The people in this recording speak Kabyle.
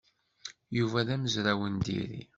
Yuba d amezraw n diri.